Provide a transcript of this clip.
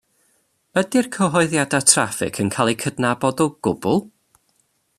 Ydy'r cyhoeddiadau traffig yn cael eu cydnabod o gwbl?